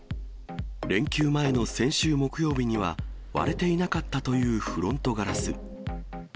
連休前の先週木曜日には、割れていなかったというフロントガラス。